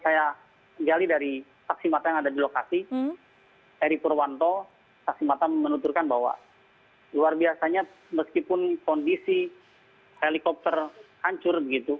saya juga sudah tahu dari taksimata yang ada di lokasi eri purwanto taksimata menunturkan bahwa luar biasanya meskipun kondisi helikopter hancur begitu